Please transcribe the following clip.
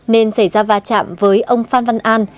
nên xảy ra va chạm với ông phan văn an